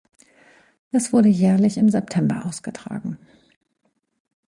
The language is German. Es wurde jährlich im September ausgetragen.